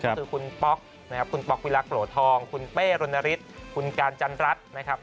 ก็คือคุณป๊อกนะครับคุณป๊อกวิลักษ์โหลทองคุณเป้รณฤทธิ์คุณการจันรัฐนะครับ